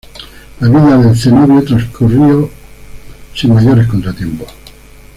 La vida del cenobio transcurrió sin mayores contratiempos.